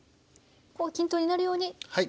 ここは均等になるようにはい。